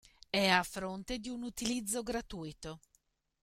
È a fronte di un utilizzo gratuito.